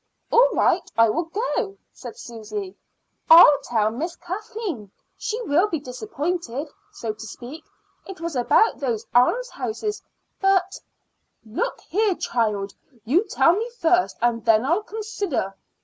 "All right, I will go," said Susy. "I'll tell Miss Kathleen; she will be disappointed, so to speak. It was about those almshouses, but " "Look here, child; you tell me first, and then I'll consider."